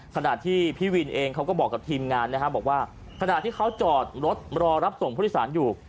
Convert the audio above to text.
ขนาดที่พี่วินเองเค้าก็บอกกับทีมงานบอกว่าขนาดที่เค้าจอรถรอรับส่งผู้อิสัยอยู่